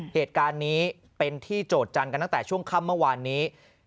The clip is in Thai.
เหตุการณ์นี้เป็นที่โจทย์กันตั้งแต่ช่วงค่ำเมื่อวานนี้